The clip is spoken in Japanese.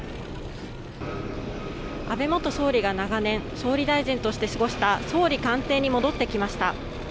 安倍元総理が長年総理大臣として過ごした総理官邸に戻ってきました。